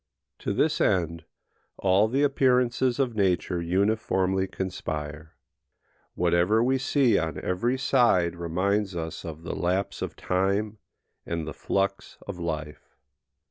To this end all the appearances of nature uniformly conspire. Whatever we see on every side reminds us of the lapse of time and the flux of life.